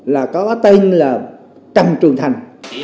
là có tên là trần trường thành